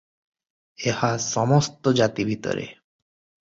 ଏହା ସମସ୍ତ ଜାତି ଭିତରେ ।